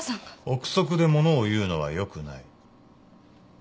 憶測でものを言うのはよくない。